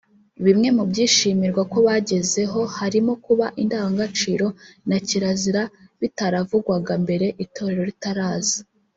Bimwe mu byishimirwa ko byagezeho harimo kuba indangagaciro na kirazira bitaravugwaga mbere itorero ritaraza